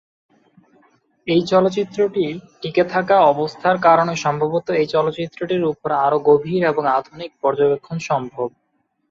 এই চলচ্চিত্রটির টিকে থাকা অবস্থার কারণে সম্ভবত এই চলচ্চিত্রটির উপর আরো গভীর এবং আধুনিক পর্যবেক্ষন সম্ভব।